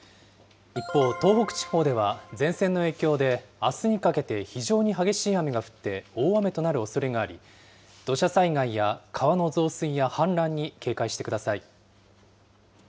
一方、東北地方では前線の影響で、あすにかけて非常に激しい雨が降って、大雨となるおそれがあり、土砂災害や川の増水や氾濫に警戒してください。